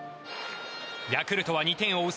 ヤクルトは２点を追う